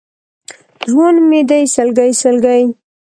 ژوند مې دی سلګۍ، سلګۍ!